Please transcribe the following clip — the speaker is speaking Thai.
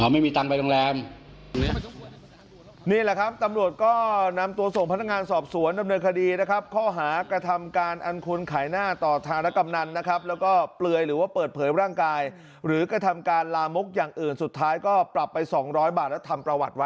ไม่มีเงินค่าโรงแรมไม่มีเงินค่าโรงแรม